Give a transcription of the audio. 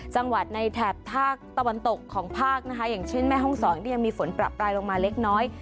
จังหวัดในแถบภาคตะวันตกของภาคนะคะอย่างเช่นแม่ห้องศรที่ยังมีฝนประปรายลงมาเล็กน้อย